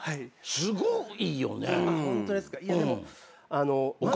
すごいよね。